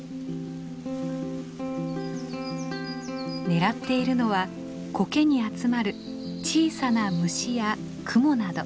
狙っているのはコケに集まる小さな虫やクモなど。